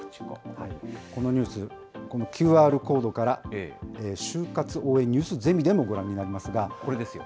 このニュース、このＱＲコードから、就活応援ニュースゼミでこれですよ。